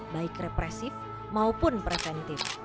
baik represif maupun presiden